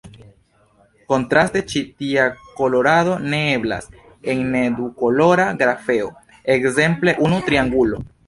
Kontraste, ĉi tia kolorado ne eblas en ne-dukolora grafeo, ekzemple unu triangulo.